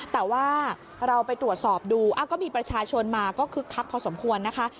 แต่ว่าเราไปตรวจสอบดูก็มีประชาชนมาก็คึกคักพอสมควรนะคะ